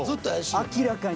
明らかに。